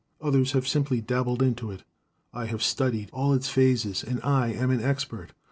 Others have simply dabbled into it. I have studied all its phases and I am an expert.